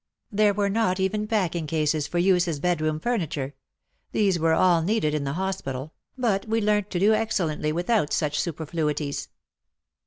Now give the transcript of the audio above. There were not even packing cases for use as bedroom furniture — these were all needed in the hospital, but we learnt to do excellently without such superfluities.